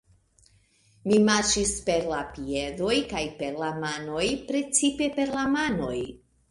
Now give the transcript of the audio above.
Mi marŝis per la piedoj kaj per la manoj, precipe per la manoj.